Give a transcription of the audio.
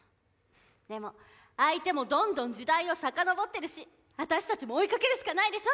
でも相手もどんどん時代を遡ってるし私たちも追いかけるしかないでしょ。